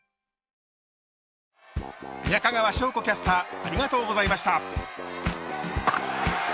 中川翔子キャスターありがとうございました。